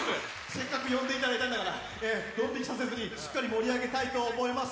せっかく呼んでいただいたからドン引きさせずにしっかり盛り上げたいと思います。